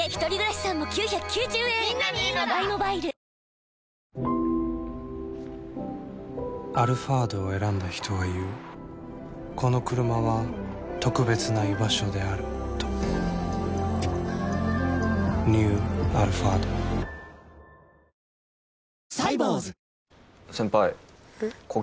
わかるぞ「アルファード」を選んだ人は言うこのクルマは特別な居場所であるとニュー「アルファード」の！ど！